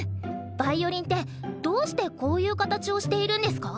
ヴァイオリンってどうしてこういう形をしているんですか？